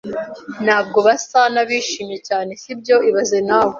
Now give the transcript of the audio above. Ntabwo basa n'abishimye cyane, sibyo ibaze nawe